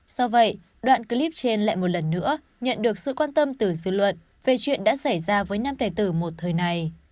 do vậy đoạn clip trên lại một lần nữa nhận được sự quan tâm từ dư luận về chuyện đã xảy ra với nam tài tử một thời này